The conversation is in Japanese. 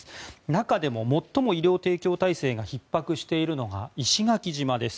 中でも最も医療提供体制がひっ迫しているのが石垣島です。